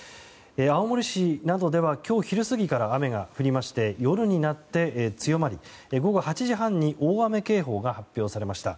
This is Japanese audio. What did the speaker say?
青森市などでは今日昼過ぎから雨が降りまして夜になって強まり午後８時半に大雨警報が発表されました。